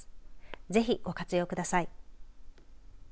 ぜひご活用ください。